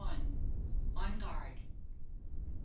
ON GUARD. Mr.